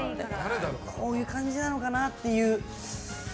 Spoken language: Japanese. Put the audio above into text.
こういう感じなのかなっていう。